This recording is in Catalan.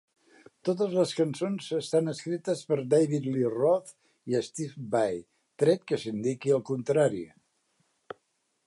Totes les cançons estan escrites per David Lee Roth i Steve Vai, tret que s'indiqui el contrari.